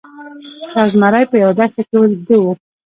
یو زمری په یوه دښته کې ویده و.